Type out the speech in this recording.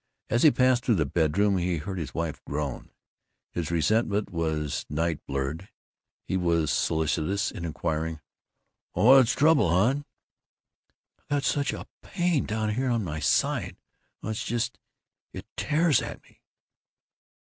As he passed through the bedroom he heard his wife groan. His resentment was night blurred; he was solicitous in inquiring, "What's the trouble, hon?" "I've got such a pain down here in my side oh, it's just it tears at me."